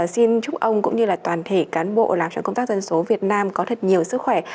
xin chúc ông cũng như là toàn thể cán bộ làm trong công tác dân số việt nam có thật nhiều sức khỏe